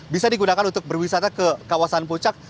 bisa digunakan untuk berwisata ke kawasan puncak